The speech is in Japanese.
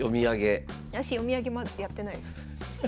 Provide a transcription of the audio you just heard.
私読み上げまだやってないです。